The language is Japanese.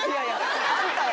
あんたや！